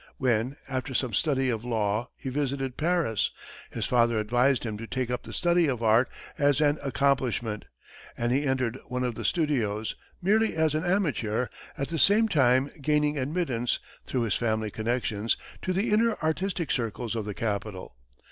When, after some study of law, he visited Paris, his father advised him to take up the study of art as an accomplishment, and he entered one of the studios, merely as an amateur, at the same time gaining admittance, through his family connections, to the inner artistic circles of the capital.